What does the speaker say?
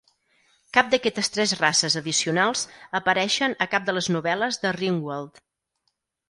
Cap d'aquestes tres races addicionals apareixen a cap de les novel·les de "Ringworld".